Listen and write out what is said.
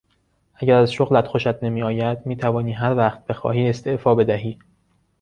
اگر از شغلت خوشت نمیآید میتوانی هر وقت بخواهی استعفا بدهی.